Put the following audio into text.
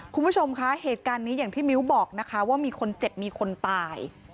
คุณผู้ชมคะเหตุการณ์นี้อย่างที่มิ้วบอกนะคะว่ามีคนเจ็บมีคนตาย